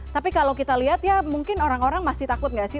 tapi kalau kita lihat ya mungkin orang orang masih takut nggak sih